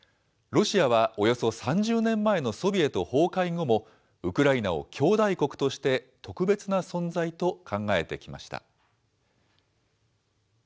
ロシアはおよそ３０年前のソビエト崩壊後も、ウクライナを兄弟国として特別な存在と考えてきました。